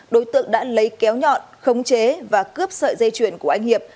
đối tượng đã lấy kéo nhọn khống chế và cướp sợi dây chuyền của anh hiệp